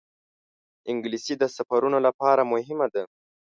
انګلیسي د سفرونو لپاره مهمه ده